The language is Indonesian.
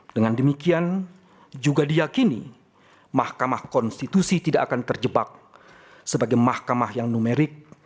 dengan demikian juga diyakini mahkamah konstitusi tidak akan terjebak sebagai mahkamah yang numerik